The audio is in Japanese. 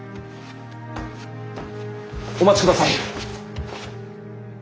お待ちください。